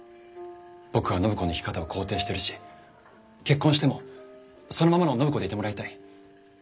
僕は暢子の生き方を肯定してるし結婚してもそのままの暢子でいてもらいたい。